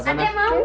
adek mau gak